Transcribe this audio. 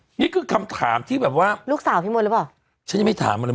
นี่คือคำถามที่แบบว่าลูกสาวพี่มนต์หรือเปล่าฉันยังไม่ถามมาเลย